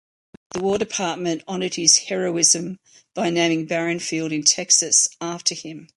The War Department honored his heroism by naming Barron Field in Texas after him.